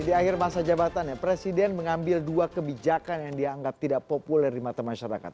di akhir masa jabatannya presiden mengambil dua kebijakan yang dianggap tidak populer di mata masyarakat